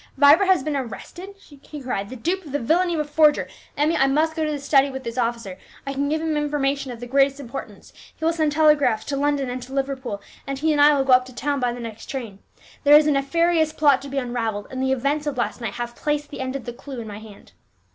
"Vibert has been arrested," he cried, "the dupe of the villany of a forger. Emmie, I must go to the study with this officer; I can give him information of the greatest importance. He will send telegraphs to London and to Liverpool, and he and I will go up to town by the next train. There is a nefarious plot to be unravelled, and the events of last night have placed the end of the clue in my hand."